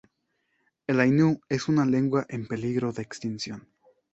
El ainu es una lengua en peligro de extinción.